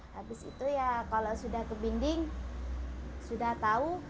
habis itu ya kalau sudah ke binding sudah tahu